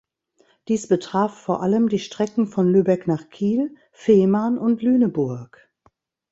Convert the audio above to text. Dies betraf vor allem die Strecken von Lübeck nach Kiel, Fehmarn und Lüneburg.